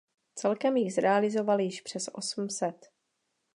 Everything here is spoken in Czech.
Celkem jich zrealizoval již přes osm set.